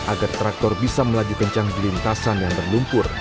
agar traktor bisa melaju kencang di lintasan yang berlumpur